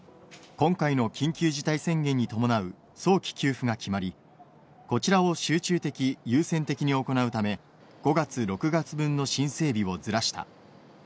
今回の緊急事態宣言に伴う早期給付が決まり、こちらを集中的、優先的に行うため、５月、６月分の申請日をずらした。